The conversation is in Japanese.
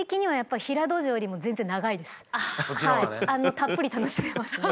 たっぷり楽しめますね。